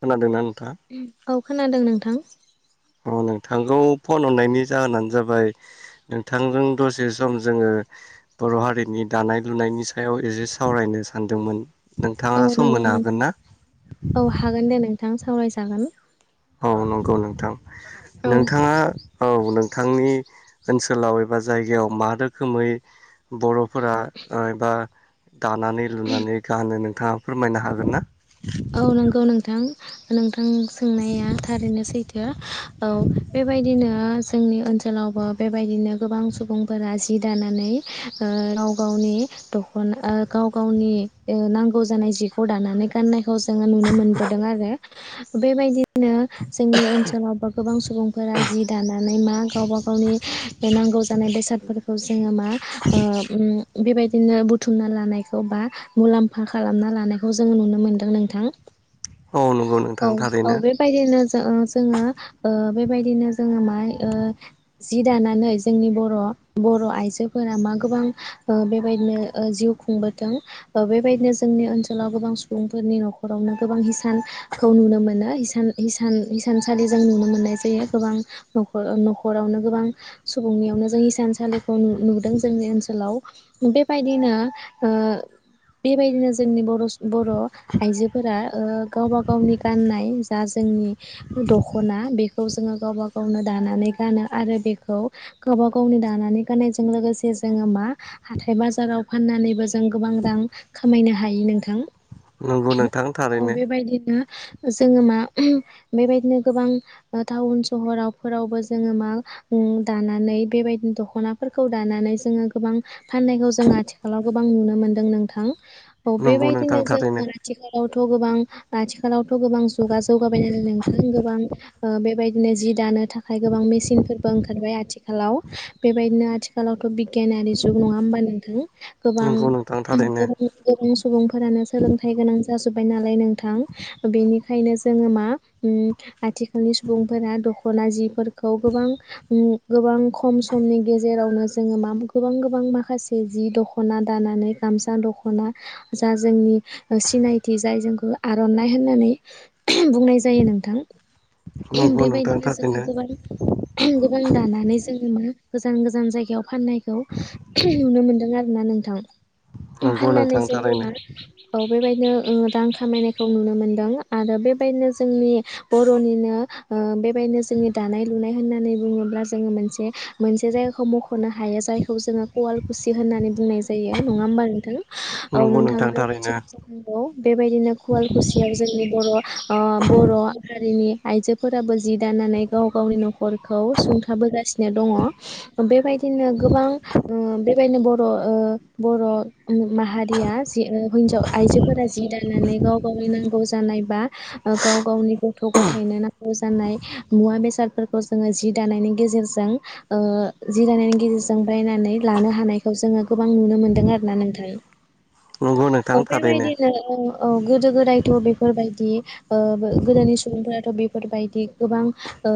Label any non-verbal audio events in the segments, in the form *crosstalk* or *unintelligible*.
खोनादोंना नों औ खोनादों नोंथां अ नोंथांखौ फन हरनायनि जाहोनानो जाबाय नोंथांजों दसे सम जोङो बर' हारिनि दानाय लुनायनि सायाव एसे सावरायनो सानदोंमोन नोंथाङा औ सम नंगौ होनो हागोन नोंथां ना? औ हागोन दे नोंथां सावरायजागोन। औ नंगौ नोंथां औ नोंथाङा औ नों नोंथांनि ओनसोलाव एबा जायगायाव मा रोखोमै बर'फोरा ओ बा दानानै लुनानै गानो नोंथाङा फोरमायनो हागोन ना? औ नंगौ नोंथां नोंथां सोंनाया थारैनो सैथो औ बेबायदिनो जोंनि ओनसोलावबो बेबायदिनो गोबां सुबुंफोरा सि दानानै ओ गाव गावनि द'खना ओ गाव गावनि ओ नांगौ जानाय जिखौ दानानै गाननायखौ जोङो नुनो मोनदों आरो बेबायदिनो जोंनि ओनसोलावबो गोबां सुबुंफोरा जि दानानै मा गावबा गावनि नांगौ दानाय बेसादफोरखौ जोङो मा ओ उम बेबायदिनो बुथुमना लानायखौ बा मुलाम्फा खालामना लानायखौ जों नुनो मोन्दों नोंथां औ नंगौ औ नोंथां औ थारैनो बेबायदिनो ओ जोङो ओ बेबायदिनो जोङो माइ ओ जि दानानै जोंनि बर' बर' आइजोफोरा मा गोबां ओ बेबायदिनो ओ जिउ खुंबोदों ओ बेबायदिनो जोंनि ओनसोलाव गोबां सुबुंफोर फोरनि न'खरावनो गोबां हिसानखौ नुनो मोनो हिसान हिसान हिसानसालि जों नुनो मोननाय जायो। बे गोबां नख'रावनो गोबां सुबुंनियावनो जों हिसान सानसालि खौ नु नुदों जोंनि ओनसोलाव बेबायदिनो ओ बेबायदिनो जोंनि बर'सु बर' आइजोफोरा ओ गावबा गावनि गाननाय जा जोंनि दख'ना बेखौ जोङो गावबा गावनो दानानै गानो आरो बेखौ गावबा गावनि दानानै गाननायजों लोगोसे जोङो मा हाथाय बाजाराव फाननानैबो जों गोबां रां खामायनो हायो नोंथां। नंगौ नोंथां औ थारैनो बेबायदिनो जोङो मा बेबायदिनो गोबां टाउन सहराव फोरावबो जोङो मा उम दानानै बेबायदिनो दख'नाफोरखौ दानानै जोङो गोबां फाननायखौ जों आथिखालाव गोबां नुनो मोनदों नोंथां औ नंगौ नोंथां बेबायदिनो थारैनो जोङो थ' गोबां आथिखालावथ' गोबां जुगा जौगाबाय नालाय नोंथां गोबां ओ बेबायद बिदिनो जि दानो थाखाय गोबां मेसिनफोरबो ओंखारबाय आथिखालाव बेबायदिनो आथिखालावथ' बि बिगियान आरि जुग नङा हामबा नोंथां गोबां नंगौ नोंथां थारैनो *unintelligible* सुबुंफोरानो सोलों जाजोब्बाय नालाय नोंथां बेनिखायनो जोङो मा उम आथिखालनि सुबुंफोरा दख'ना जिफोरखौ गोबां उम गोबां खम समनि गेजेरावनो जोङो मा गोबां गोबां माखासे जि दख'ना दानानै गामसा दख'ना जा जोंनि सिनायथि जाय जोंखौ आर'नाइ होननानै बुंनाय जायो नोंथां। नंगौ नोंथां बेबायदिनो थारैनो जोङो गोबां गोबां दानानै जोङो मा गोजान गोजान जायगायाव फाननायखौ नुनो मोनदों आरो ना नोंथां। नंगौ फाननानै नोंथां जोंङो थारैनो मा। बेबायदिनो ओ रां खामायनायखौ नुनो मोन्दों आरो बेबायदिनो जोंनि बर'निनो ओ बेबायदिनो जोङो दानाय लुनाय होननानै बुङोब्ला जोङो मोनसे मोनसे जायगाखौ मख'नो हायो जायखौ जोङो कवालकुसि होननानै बुंनाय जायो नङा होमबा नोंथां? औ नंगौ नोंथाङा नोंथां थारैनो *unintelligible* जानांगौ बेबायदिनो कुवालकुसियाव जोंनि बर' ओ बर' हारिनि आइजोफोराबो जि दानानै गाव गावनि न'ख खरखौ सुंथाबोगासिनो दङ बेबायदिनो गोबां ओ बेबायदिनो बर' ओ बर' माहारिया जि ओ होन्जाव आइजोफोरा जि दानानै गाव गावनि नांगौ जानाय बा ओ गाव गावनि गथ' गथायाइनो नांगौ जानाय मुवा बेसादफोरखौ जोङो जि दानायनि गेजेरजों ओ जि दानायनि गेजेरजों बायनानै लानो हानायखौ जोङो गोबां नुनो मोनदों आरोना नोंथां। *unintelligible* औ बेबायदिनो औ ओ गोदो गोदायथ' बेफोरबायदि ओ बो गोदोनि सुबुंफोराथ' बे फोर बायदि गोबां ओ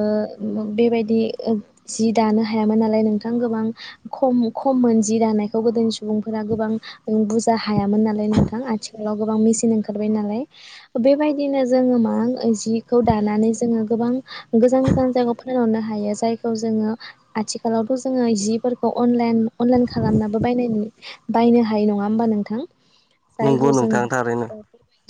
बेबायदि जि दानो हायामोन नालाय नोंथां गोबां बां खम खम मोन जि दानायखौ गोदोनि सुबुंफोरा गोबां बुरजा हायामोन नालाय नों आथिखालाव गोबां मेचन ओंखारबाय नालाय बेबायदिनो जोङो मा ओ जिखौ दानानै जोङो गोबां गोजान गोजान जायगायाव फानहरनो हायो जायखौ जोङो आथिखालावथ' जोङो जिफोरखौ आनलाइन अनलाइन खालामनाबो बायनाय नु बायनो हायो नङा होमबा नोंथां? नोंगौ नोंथां थारै। ओ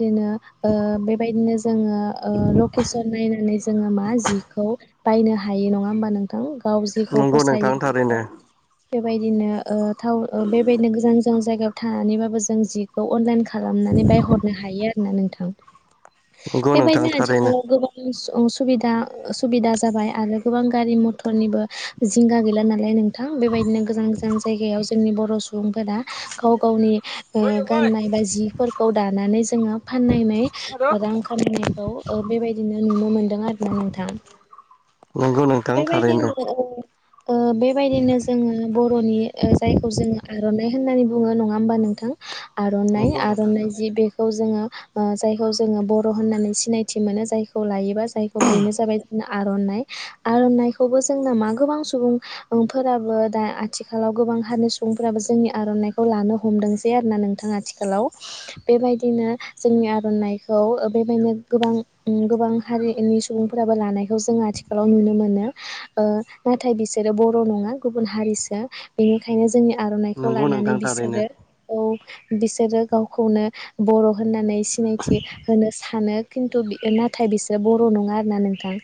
बेबायदिनो ओ बेबायदिनो जोङो ओ लकेसन नायनानै जोङो मा जिखौ बायनो हायो नङा होमबा नोंथां गाव जेखौ नंगौ नोंथां फसायो थारैनो बेखौ बेबायदिनो ओ टाउन बेबायदिनो गोजान गोजान जायगायाव थानानैबाबो जों जिखौ अनलाइन खालामनानै बायहरनो हायो आरोना नोंथां नंगौ नोंथां बेबायदिनो थारैनो आथिखालाव गोबां *unintelligible* सुबिदा सुबिदा जाबाय आरो गोबां गारि मथरनिबो जिंगा गैला नालाय नों थां बेबायदिनो गोजान गोजान जायगायाव जोंनि बर' सुबुंफोरा गाव गावनि ओ गाननाय बा जिफोरखौ दानानै जोङो फाननायनै रां खामायनायखौ ओ बेबायदिनो नुनो मोन्दों आरोना नोंथां। नंगौ नोंथां थारैनो बेबायदिनो ओ ओ बेबायदिनो जोङो बर'नि ओ जायखौ जोङो आर'नाइ होननानै बुङो नङा होमबा नोंथां आर'नाइ नंगौ नोंथां आर'नाइ जि थारैनो बेखौ जोङो ओ जायखौ जोङो बर' होननानै सिनायथि मोनो जायखौ लायोबा जायखौ बेनो जाबाय जोंना आर'नाइ आर'नाइखौबो जोंना मा गोबां सुबुंफोराबो दा आथिखालाव गो बां हारिनि सुबुंफ्राबो जोंनि आर'नाइखौ लानो हमदोंसै आरोना नों थां आथिखालाव बेबायदिनो जोंनि आर'नाइखौ बेबायदिनो गोबां गोबां हारिनि सुबुंफोराबो लानायखौ जोंङो आथिखालाव नुनो मोनो ओ नाथाय बिसोरो बर' नङा गुबुन हारिसो बेनिखायनो जोंनि आर'नाइखौ नंगौ लानानै नोंथां थारैनो बिसोरो औ बिसोरो गावखौनो बर' होननानै सिनायथि होनो सानो। खिन्थु नाथाय बिसोर बर' नङा आरोना नोंथां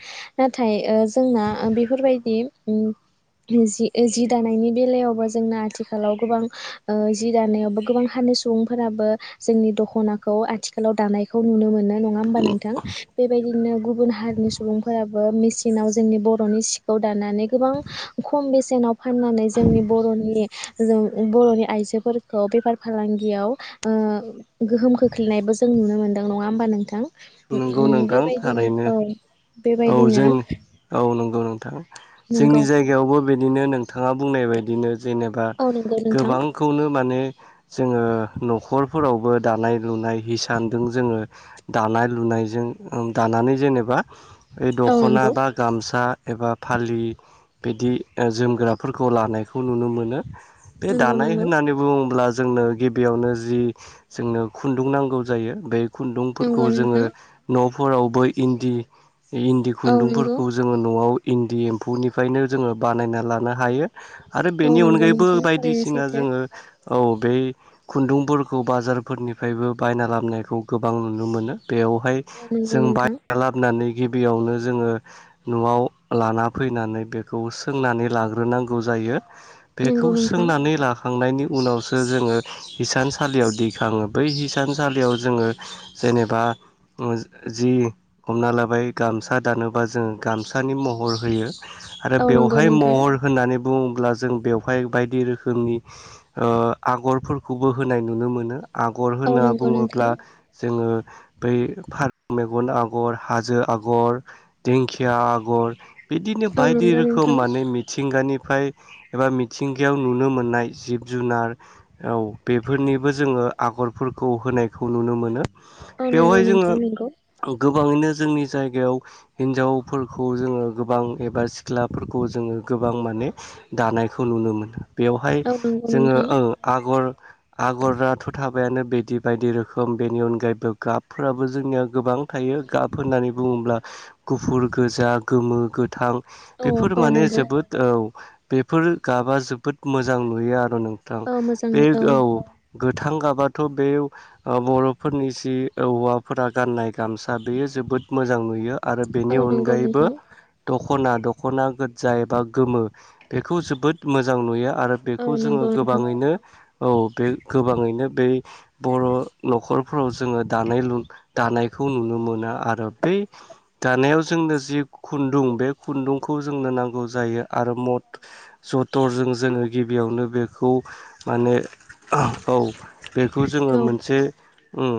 नाथाय ओ जोंना बेफोरबायदि उम जि जि दानायनि बेलायावबो जोंना आथिखालाव गोबां ओ जि दानायावबो गोबां हानि सुबुंफोराबो जोंनि दख'नाखौ आथिखालाव दानायखौ नुनो मोनो। नङा होमबा नोंथां बेबायदिनो गुबुन हारिनि सुबुंफोरा बो मिसिनाव जोंनि बर'नि सिखौ दानानै गोबां खमबेसेनाव फाननानै जोंनि बर'नि बर'नि आइजोफोरखौ बेफार फालांगियाव ओ गोहोम खोख्लैनायबो जों नुनो मोन्दों नङा होमबा नोंथां। नंगौ उम नोंथां बेबायदिनो थारैनो औ। औ बेबायदिनो जों औ नंगौ नोंथां जोंनि नोंगौ जायगायावबो बायदिनो नोंथाङा बुंनाय बायदिनो जेनेबा औ नंगौ नोंथां गोबांखौनो माने जोङो न'खरफोरावबो दानाय लुनाय हिसानदों जोङो दानाय लुनाय जों दानानै जेनेबा ओइ औ दख'ना नंगौ बा गामसा एबा फालि बिदि ओ जोमग्राफोरखौ लानायखौ नुनो मोनो। बे नंगौ दानाय नंगौ होननानै बुङोब्ला जोंनो गिबियावनो जि जोंनो खुन्दुं नांगौ जायो बे खुन्दुंफोरखौ नंगौ जोङो नोंथां न'फोरावबो इन्दि इन्दि औ नंगौ खुन्दुंफोरखौ जोङो न'आव इन्दि एम्फौनिफायनो जोङो बानायना लानो हायो। आरो औ बेनि नंगौ अनगायैबो नोंथां थारैनो बायदिसिना सैथो जोङो औ बे खुन्दुंफोरखौ बाजारफोरनिफ्रायबो बायना लाबनायखौ गोबां नुनो मोनो। बेवहाय औ नंगौ जों नोंथां बायना लाबोनानै गिबियावनो जोङो न'आव लाना फैनानै बेखौ सोंनानै लाग्रोनांगौ जायो। बेखौ नंगौ नोंथां सोंनानै ला खांनायनि उनावसो जोङो हिसानसालियाव दैखाङो बै हिसानसालियाव जोङो जेनेबा जि हमना लाबाय गामसा दानोबा जोंङो गामसानि महर होयो आरो औ नंगौ बेवहाय नोंथां महर होनानै बुङोब्ला जों बेवहाय बायदि रोखोमनि ओ आगरफोरखौबो होनाय नुनो मोनो। आगर औ होनना नंगौ नोंथां बुङोब्ला जोङो बै फारौ मेगन आगर हाजो आगर दिंखिया आगर बिदिनो औ बायदि नंगौ नोंथां रोखोम माने मि थिंगानिफ्राय एबा मिथिंगायाव नुनो मोननाय जिब जुनार औ बेफोरनि बो जोङो आगरफोरखौ होनायखौ नुनो मोनो। औ नंगौ बेवहाय नोंसै जोङो नंगौ। गोबाङैनो जोंनि जायगायाव हिनजावफोरखौ जोङो गोबां एबा सिख्लाफोरखौ जोङो गोबां माने दानायखौ नुनो मोनो। बेवहाय औ नंगौ नोंथां जोङोओ आगर आगराथ'था बायानो बिदि बायदि रोखोम बेनि अनगायैबो गाबफोराबो जोंनियाव गोबां थायो गाब होननानै बुङोब्ला गुफुर गोजा गोमो गोथां। औ बेफोर औ माने नंगौ जोबोद औ बेफोर गाबा जोबोद मोजां नुयो आ औ नोंथां औ बे मोजाङै औ गोथां गाबाथ' बे बरफोरनि जि हौवाफोरा गाननाय गामसा बेयो जोबोद मोजां नुयो आरो औ बेनि नंगौ अनगायैबो नोंथां दख खना दखना गोजा एबा गोमो बेखौ जोबोद मोजां नुयो आरो औ बेखौ जोङो नंगौ नोंथां गोबाङैनो औ बे गोबाङैनो बे बर' नखरफ्राव जोङो दानाय लु दानाय खौ नुनो मोना आरो बै दानायाव जोंनो जि खुन्दुं बे खुन्दुंखौ जोंनो नांगौ जायो आरो मद जथरजों जोङो गिबियावनो बेखौ माने औ बेखौ जोङो औ मोनसे ओम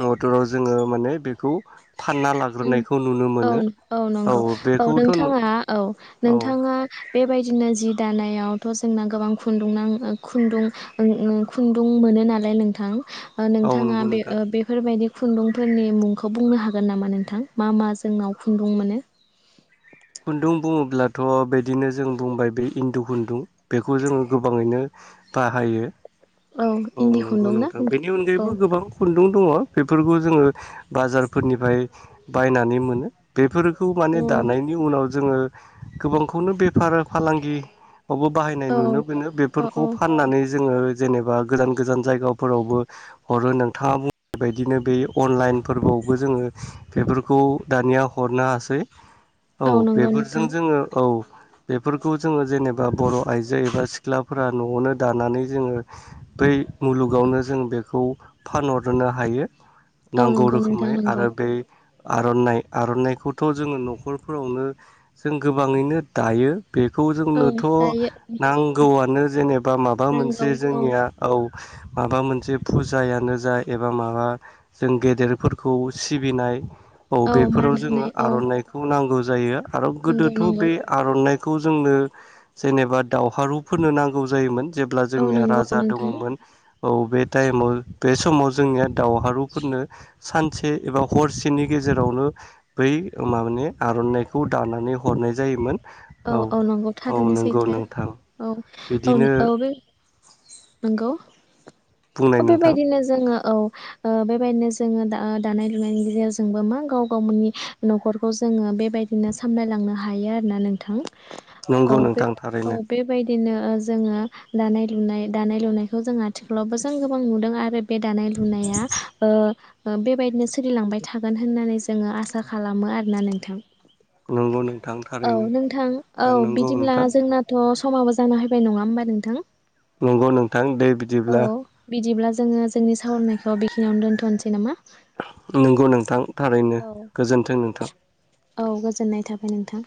मटराव जोङो माने बेखौ फानना लाग्रोनायखौ नुनो औ मोनो। औ नंगौ औ नोंथाङा औ औ नोंथाङा बेबायदिनो जि दानायावथ जोंना गोबां खुन्दुंना खुन्दुं खुन्दुं मोनो मोनो नालाय नोंथां औ नोंथाङा नंगौ बे नोंथां बेफोरबायदि खुन्दुंफोरनि मुंखौ बुंनो हागोन नामा नों थां मा मा जोंनाव खुन्दुं मोनो खुन्दुं बुङोब्लाथ बिदिनो जों बुंबाय बे इन्दु खुन्दुं बेखौ जोङो गोबाङैनो बाहायो औ इन्दि नंगौ खुन्दुं ना नोंथां बेनि औ अनगायैबो गोबां खुन्दुं दङ बेफोरखौ जोङो बाजारफोरनिफ्राय बायनानै मोनो बेफोरखौ माने औ दानाय जोङो गोबांखौनो बेफार फालांगि वबो बाहायनाय औ नुनो मोनो बेफोरखौ औ फाननानै जोङो जेनेबा गोजान गोजान जायगाफोरावबो हरो नोंथाङा बुंनाय बायदिनो बे अनलाइन फोरबो बो जोङो बेफोरखौ दानिया हरनो हासै औ नंगौ बेफोरजों नोंथां जोङो औ बेफोरखौ जोङो जेनेबा बर आइजो एबा सिख्लाफोरा न'आवनो दानानै जोङो बै मुलुगावनो जों बेखौ फानहरनो हायो औ नांगौ नंगौ नोंथां रोखोमै नंगौ आरो बे आरनाइ आरनाइखौथ जोङो नखरफोरावनो जों गोबाङैनो दायो बेखौ औ जोंनोथ दायो नांगौआनो जेनेबा माबा नांगौ मोनसे औ जोंनिया औ माबा मोनसे फुजायानो जा एबा माबा जों गेदेरफोरखौ सिबिनाय औ मान बेफोराव जोङो होनाय औ आरनाइखौ नांगौ जायो आरो नंगौ गोदोथ नंगौ बे आरनाइ खौ जोंनो जेनेबा दावहारुफोरनो नांगौ जायोमोन जेब्ला औ जोंनिया नंगौ राजा नोंथां दङमोन औ बे टाइमाव बे समाव जोंनिया दावहारुफोरनो सानसे एबा हरसेनि गेजेराव जेरावनो बै माबे आरनाइखौ दानानै हरनाय जायोमोन औ औ नंगौ औ थारैनो नंगौ सैथो नोंथां औ औ बिदिनो औ बे नंगौ बुंनाय नोंथां बेबायदिनो जोङो औ बेबायदिनो जोङो दा दानाय लुनायनि गेजेरजोंबो मा गाव गावनि नखरखौ जों जोङो बेबायदिनो सामलायलांनो हायो आरोना नों औ नंगौ बे नोंथां औ थारैनो बेेबायाय बिदिनो जोङो दानाय लुनाय दानाय लुनायखौ जों आथिखालावबो जों गोबां नुदों आरो बे दानाय लुनाया ओ बेबायदिनो सोलिलांबाय थागोन होननानै जोङो आसा खालामो आरोना नोंथां नंगौ नों औ नोंथां औ बिदिब्ला नोंथां जोंनाथ समाबो जाना फैबाय नङा होमबा नोंथां नंगौ नोंथां दै औ बिदिब्ला बिदिब्ला जोङो जोंनि सावरायनायखौ बेखिनियावनो दोनथनोसै नामा नंगौ नोंथां थारैनो गोजोन्थों नोंथां औ गोजोननाय थाबाय नोंथां